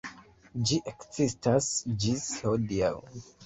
Ĝi ekzistas ĝis hodiaŭ.